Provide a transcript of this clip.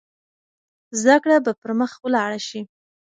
زده کړه به پرمخ ولاړه شي.